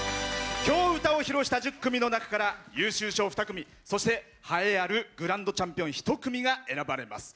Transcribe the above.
きょう、歌を披露した１０組の中から優秀賞２組そして、栄えあるグランドチャンピオン１組が選ばれます。